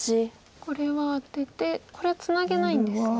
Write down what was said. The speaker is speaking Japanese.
これはアテてこれはツナげないんですね。